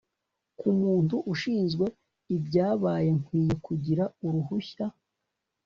ku muntu ushinzwe ibyabaye. nkwiye kugira uruhushya